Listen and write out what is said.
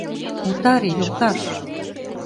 Утаре, йолташ!